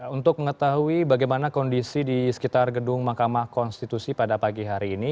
untuk mengetahui bagaimana kondisi di sekitar gedung mahkamah konstitusi pada pagi hari ini